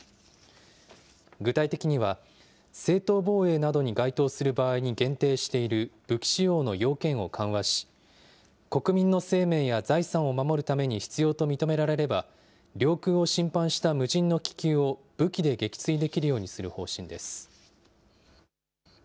具体的には、正当防衛などに該当する場合に限定している武器使用の要件を緩和し、国民の生命や財産を守るために必要と認められれば、領空を侵犯した無人の気球を武器で撃墜できるようにする方針です。